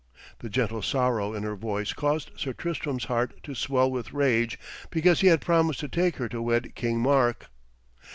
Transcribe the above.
The gentle sorrow in her voice caused Sir Tristram's heart to swell with rage because he had promised to take her to wed King Mark.